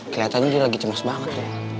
keliatannya dia lagi cemas banget tuh